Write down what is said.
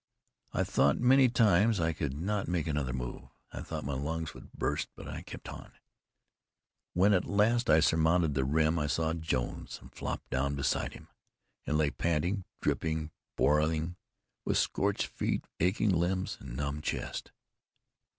I thought many times I could not make another move; I thought my lungs would burst, but I kept on. When at last I surmounted the rim, I saw Jones, and flopped down beside him, and lay panting, dripping, boiling, with scorched feet, aching limbs and numb chest.